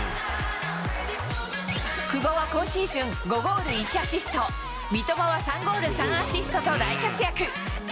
久保は今シーズン５ゴール１アシスト、三笘は３ゴール３アシストと大活躍。